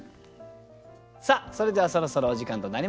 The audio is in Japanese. さあそれではそろそろお時間となりました。